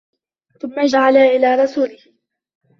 ثُمَّ جَعَلَ إلَى رَسُولِهِ